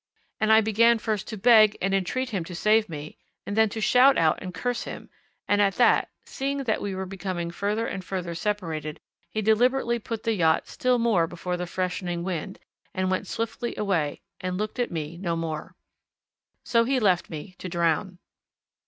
And I began first to beg and entreat him to save me, and then to shout out and curse him and at that, and seeing that we were becoming further and further separated, he deliberately put the yacht still more before the freshening wind, and went swiftly away, and looked at me no more. So he left me to drown.